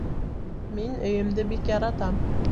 Мин өйөмдө бик яратам